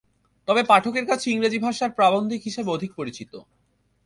তবে পাঠকের কাছে ইংরেজি ভাষার প্রাবন্ধিক হিসেবে অধিক পরিচিত।